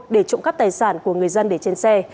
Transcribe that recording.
để trộm cắp tài sản của người dân để trên xe